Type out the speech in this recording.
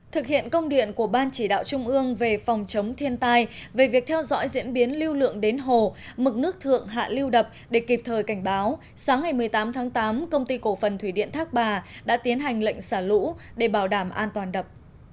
thực hiện công điện của ban chỉ đạo trung ương về phòng chống thiên tai về việc theo dõi diễn biến lưu lượng đến hồ mực nước thượng hạ lưu đập để kịp thời cảnh báo sáng ngày một mươi tám tháng tám công ty cổ phần thủy điện thác bà đã tiến hành lệnh xả lũ để bảo đảm an toàn đập